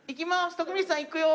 徳光さんいくよ。